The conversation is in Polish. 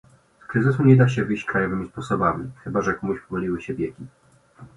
Z kryzysu nie da się wyjść krajowymi sposobami, chyba że komuś pomyliły się wieki